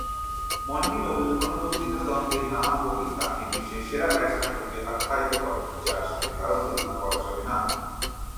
Monty Nobel কোনরূপ দ্বিধা-দ্বন্দ্বে না ভোগে তাকে বিশ্বের সেরা ব্যাটসম্যানরূপে আখ্যায়িত করেন যার সাথে কারও তুলনা করা চলে না।